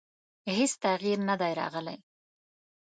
هېڅ تغیر نه دی راغلی.